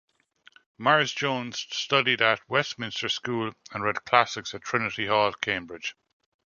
Mars-Jones studied at Westminster School, and read Classics at Trinity Hall, Cambridge.